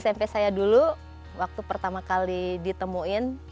smp saya dulu waktu pertama kali ditemuin